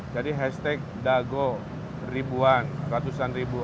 hashtag dago ribuan ratusan ribu